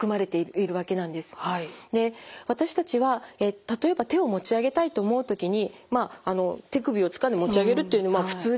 で私たちは例えば手を持ち上げたいと思うときにまああの手首をつかんで持ち上げるというのは普通ですよね？